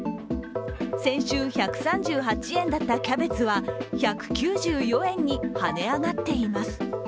先週１３８円だったキャベツは１９４円にはね上がっています。